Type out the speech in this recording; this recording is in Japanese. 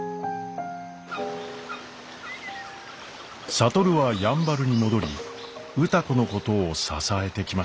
智はやんばるに戻り歌子のことを支えてきました。